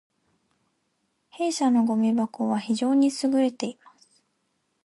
弊社のごみ箱は非常に優れています